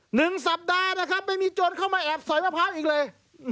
หนึ่งสัปดาห์นะครับไม่มีโจรเข้ามาแอบสอยมะพร้าวอีกเลย